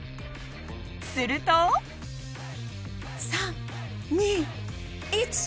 すると３・２・１。